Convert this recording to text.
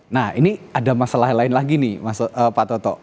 nah ini ada masalah lain lagi nih pak toto